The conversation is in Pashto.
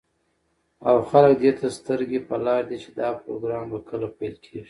او خلك دېته سترگې په لار دي، چې دا پروگرام به كله پيل كېږي.